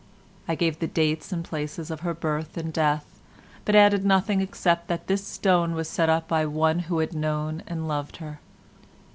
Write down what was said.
I gave the dates and places of her birth and death, but added nothing except that this stone was set up by one who had known and loved her.